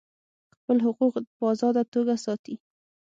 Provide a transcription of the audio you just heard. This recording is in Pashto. خپل حقوق په آزاده توګه ساتي.